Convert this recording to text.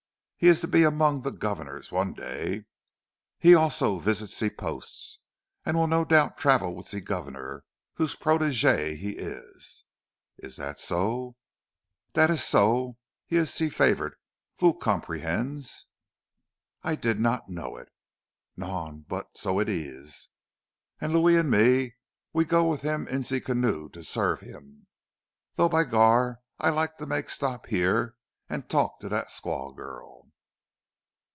He is to be among the governors one day. He also visits ze posts, and will no doubt travel with ze governor, whose protégé he is." "Is that so?" "Dat is so! He is ze favourite, vous comprenez?" "I did not know it." "Non? But so it ees! And Louis and me, we go with heem in ze canoe to serve heem. Though by gar, I like to make stop here, an' talk to dat squaw girl."